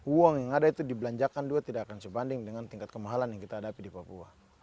uang yang ada itu dibelanjakan juga tidak akan sebanding dengan tingkat kemahalan yang kita hadapi di papua